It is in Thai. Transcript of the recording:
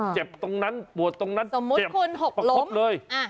เจ็บตรงนั้นปวดตรงนั้นสมมุติครบเลย